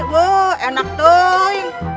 wah enak tuh